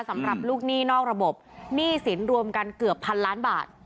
สำหรับลูกหนี้นอกระบบหนี้สินรวมกันเกือบพันล้านบาท